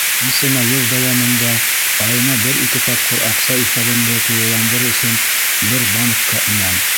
Нисәмә йыл дауамында айына бер-ике тапҡыр аҡса иҫәбемде тулыландырыр өсөн бер банкка инәм.